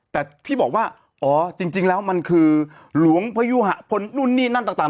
แต่ที่บอกว่าอ๋อจริงแล้วมันคือหลวงพยุหะพลนู่นนี่นั่นต่าง